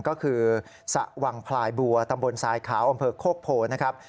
ก็คือสระวังพลายบัวตำบลทรายขาวอำเภอโคกโพนะครับ